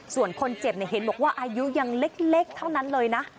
ส่วนคนเจ็บเห็นบอกว่าอายุยังเล็กเท่านั้นเลยนะ